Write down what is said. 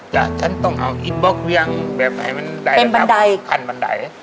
จ้ะฉันต้องเอาอิสบล็อกเลี้ยงแบบให้มันใดคันบันไดเติมบันได